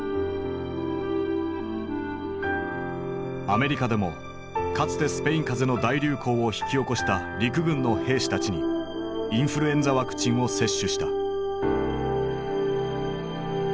アメリカでもかつてスペイン風邪の大流行を引き起こした陸軍の兵士たちにインフルエンザワクチンを接種した。